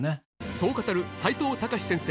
そう語る齋藤孝先生